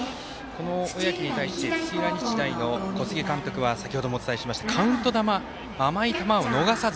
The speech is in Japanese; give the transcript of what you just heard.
この小宅に対して土浦日大の小菅監督は先ほどもお伝えしましたがカウント球、甘い球を逃さず。